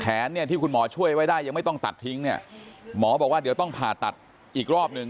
เนี่ยที่คุณหมอช่วยไว้ได้ยังไม่ต้องตัดทิ้งเนี่ยหมอบอกว่าเดี๋ยวต้องผ่าตัดอีกรอบหนึ่ง